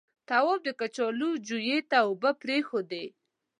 تواب د کچالو جويې ته اوبه پرېښودې.